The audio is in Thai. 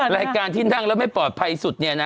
รายการที่นั่งแล้วไม่ปลอดภัยสุดเนี่ยนะ